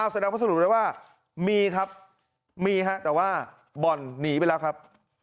สนับสนุนเลยว่ามีครับมีครับแต่ว่าบ่อนหนีไปแล้วครับ